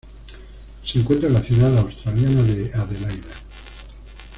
Se encuentra en la ciudad australiana de Adelaida.